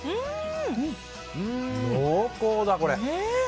濃厚だ、これ。